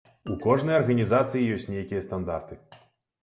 У кожнай арганізацыі ёсць нейкія стандарты.